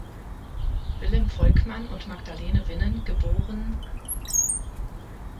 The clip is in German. Wilhelm Volkmann und Magdalene Vinnen, geb.